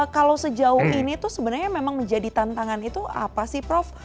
kalau sejauh ini tuh sebenarnya memang menjadi tantangan itu apa sih prof